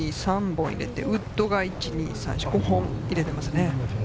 ３本入れて、ウッドが５本入れてますね。